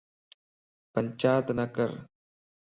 پنچاتَ نڪر